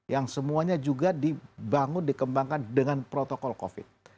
yang semuanya juga dibangun dikembangkan dengan protokol covid